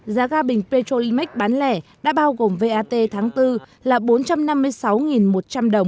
giá ga bình petrolimax bán lẻ đã bao gồm vat tháng bốn là bốn trăm năm mươi sáu một trăm linh đồng